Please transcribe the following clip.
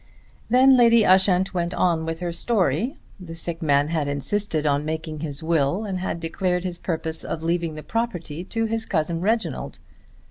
Then Lady Ushant went on with her story. The sick man had insisted on making his will and had declared his purpose of leaving the property to his cousin Reginald.